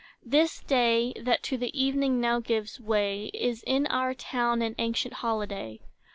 This day, that to the evening now gives way, Is in our town an ancient holiday.